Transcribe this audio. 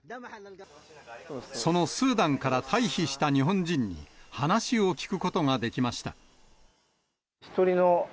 そのスーダンから退避した日本人に話を聞くことができました。